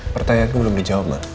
pertanyaanku belum dijawab